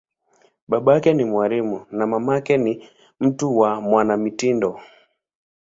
Babake ni mwalimu, na mamake ni mtu wa mwanamitindo.